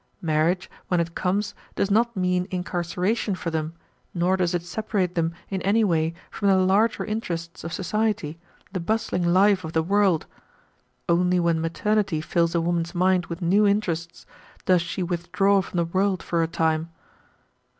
Marriage, when it comes, does not mean incarceration for them, nor does it separate them in any way from the larger interests of society, the bustling life of the world. Only when maternity fills a woman's mind with new interests does she withdraw from the world for a time.